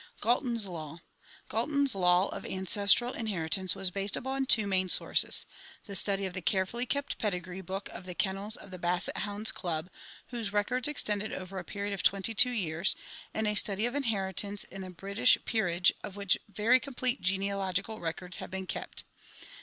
Galton's Law. — Galton's law of ancestral inheritance was based upon two main sources: the study of the carefully kept pedigree book of the kennels of the Basset Hounds Club, whose records ex tended over a period of twenty two years, and a study of inheritance in the British peerage, of which very complete genealogical records have been kept.